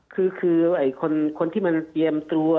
คือคนที่มันเตรียมตัว